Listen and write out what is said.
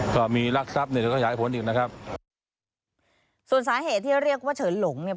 ก็มีรักทรัพย์เนี่ยเดี๋ยวขยายผลอีกนะครับส่วนสาเหตุที่เรียกว่าเฉินหลงเนี่ย